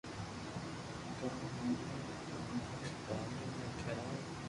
تو اوني رودين ٽاٻرو ني کراو